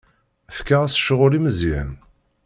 Fkiɣ-as ccɣel i Meẓyan.